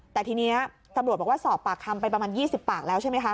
แต่ทีนี้ตำรวจบอกว่าสอบปากคำไปประมาณ๒๐ปากแล้วใช่ไหมคะ